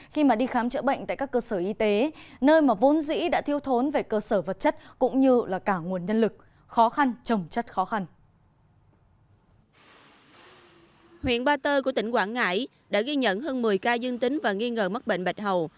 huyện ba tơ của tỉnh quảng ngãi đã ghi nhận hơn một mươi ca dương tính và nghi ngờ mắc bệnh bạch hầu